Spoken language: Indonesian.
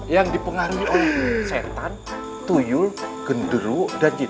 yang dipengaruhi oleh setan tuyul genderu dan cita